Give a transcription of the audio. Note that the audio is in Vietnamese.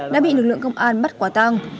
đã bị lực lượng công an bắt quả tàng